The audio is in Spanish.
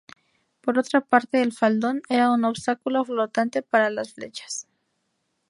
Por otra parte, el faldón era un obstáculo flotante para las flechas.